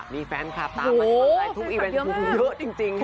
มีแฟนคลับตามมาให้ก่อนในทุกอีเวนท์เยอะจริงค่ะ